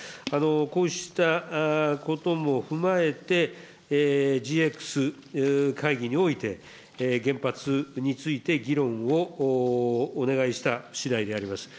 こうしたことも踏まえて、ＧＸ会議において、原発について議論をお願いしたしだいであります。